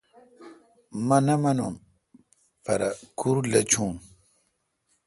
مہ نہ منوم پرہ کُھر لچھون۔